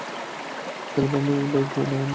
সেলভামের ভাই গুনা আমার প্রেমে পড়েছে।